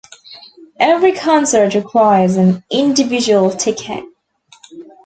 Every concert requires an individual ticket.